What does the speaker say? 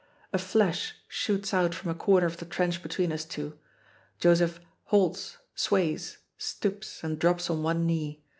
A flash shoots out from a corner of the trench between us two. Joseph halts, sways, stoops, and drops on one knee.